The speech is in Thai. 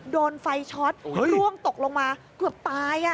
โดนไฟช็อตร่วงตกลงมาเกือบตาย